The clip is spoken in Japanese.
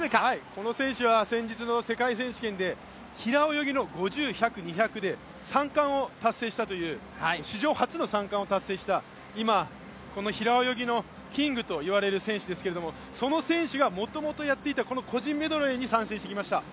この選手は先日の世界選手権で平泳ぎの５０、１００、２００で史上初の３冠を達成したという、今、平泳ぎのキングといわれる選手ですが、その選手がもともとやっていたこの個人メドレーに参戦してきました。